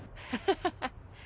ハハハハ。